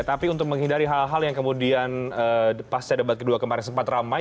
tapi untuk menghindari hal hal yang kemudian pasca debat kedua kemarin sempat ramai